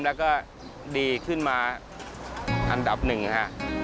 แล้วก็ดีขึ้นมาอันดับหนึ่งฮะ